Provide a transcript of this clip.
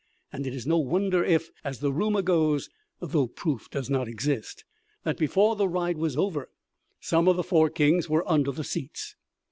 And it is no wonder if, as the rumor goes though proof does not exist that before the ride was over some of the four kings were under the seats.